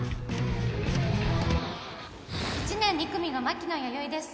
１年２組の牧野弥生です